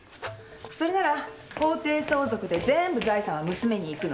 それなら法定相続で全部財産は娘に行くのよ。